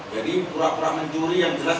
jadi pura pura mencuri yang jelas